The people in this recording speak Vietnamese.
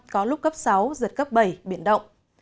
có lúc cấp sáu giật cấp bảy biển động